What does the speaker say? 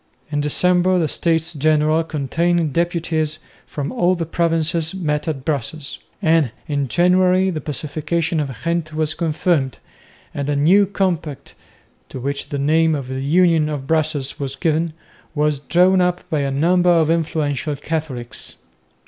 In December the States General containing deputies from all the provinces met at Brussels, and in January the Pacification of Ghent was confirmed, and a new compact, to which the name of the Union of Brussels was given, was drawn up by a number of influential Catholics.